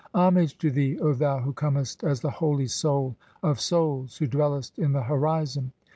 Homage to thee, O thou who comest as the holy "Soul of souls, who dwellest in the horizon.